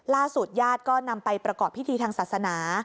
ญาติก็นำไปประกอบพิธีทางศาสนา